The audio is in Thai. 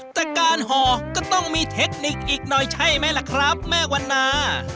แต่การห่อก็ต้องมีเทคนิคอีกหน่อยใช่ไหมล่ะครับแม่วันนา